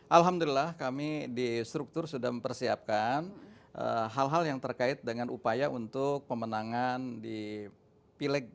alhamdulillah kami di struktur sudah mempersiapkan hal hal yang terkait dengan upaya untuk pemenangan di pileg